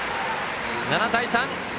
７対３。